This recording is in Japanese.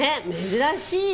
珍しい。